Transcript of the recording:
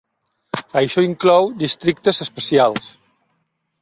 Això inclou districtes especials.